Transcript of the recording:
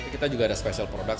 kita juga ada special product